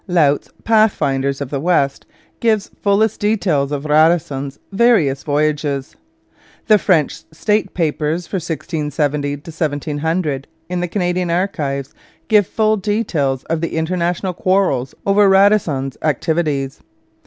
Laut's Pathfinders of the West gives fullest details of Radisson's various voyages. The French State Papers for 1670 1700 in the Canadian Archives give full details of the international quarrels over Radisson's activities.